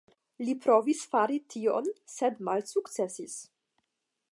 Li provis fari tion sed malsukcesis.